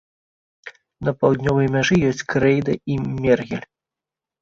На паўднёвай мяжы ёсць крэйда і мергель.